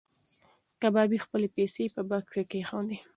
کبابي خپلې پیسې په بکس کې کېښودې.